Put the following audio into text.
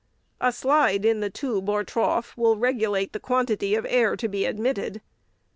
A slide in the tube or trough will regulate the quantity of air to be admitted.